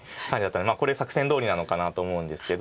これ作戦どおりなのかなと思うんですけど。